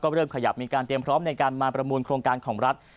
เริ่มขยับมีการเตรียมพร้อมในการมาประมูลโครงการของรัฐ